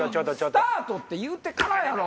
スタートって言うてからやろ！